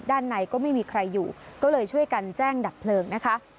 ด้านในก็ไม่มีใครอยู่ก็เลยช่วยกันแจ้งดับเพลิงนะคะ